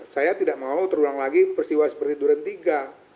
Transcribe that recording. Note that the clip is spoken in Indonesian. saya tidak mau terulang lagi persiwa seperti duran iii